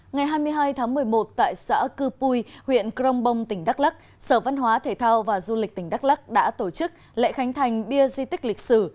ngày hai mươi hai tháng một mươi một tại xã cư pui huyện crong bong tỉnh đắk lắc sở văn hóa thể thao và du lịch tỉnh đắk lắc đã tổ chức lễ khánh thành bia di tích lịch sử